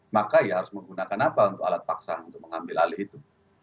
maka ya harus menggunakan apa untuk alat paksa untuk mengambil alih itu